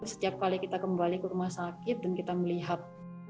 setiap kali kita kembali ke rumah sakit dan kita melihat